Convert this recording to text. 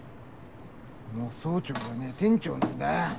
もう総長じゃねぇ店長なんだよ。